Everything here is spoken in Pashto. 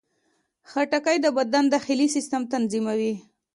خټکی د بدن داخلي سیستم تنظیموي.